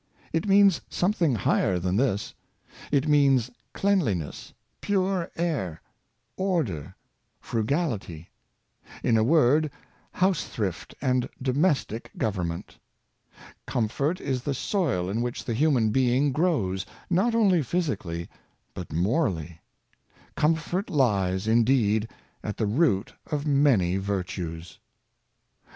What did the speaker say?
It means something higher than this. It means cleanliness, pure air, order, frugality; in a word, house thrift and domestic govern ment. Comfort is the soil in which the human being grows, not only physically, but morally. Comfort lies, indeed, at the root of many virtues.